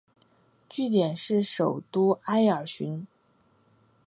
据点是首都艾尔甸。